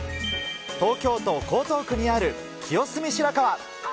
東京都江東区にある清澄白河。